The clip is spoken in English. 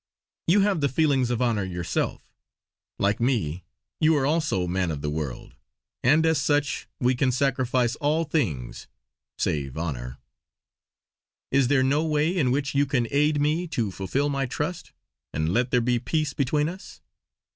You have the feelings of honour yourself; like me you are also man of the world, and as such we can sacrifice all things save honour. Is there no way in which you can aid me to fulfill my trust; and let there be peace between us?"